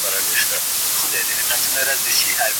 سیاستپوهنه د طبیعي علومو په څېر بېطرفه نه ده.